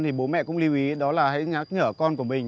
thì bố mẹ cũng lưu ý đó là hãy nhắc nhở con của mình